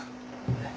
えっ？